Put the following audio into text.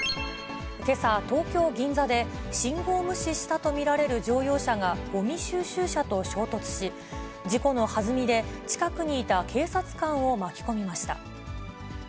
けさ、東京・銀座で、信号無視したと見られる乗用車がごみ収集車と衝突し、事故のはずみで、近くにいた警察官を巻き込みました。